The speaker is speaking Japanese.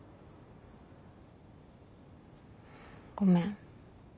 ごめん。